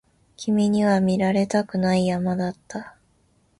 君には見られたくない山だった